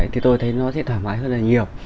thì tôi thấy nó sẽ thoải mái hơn là nhiều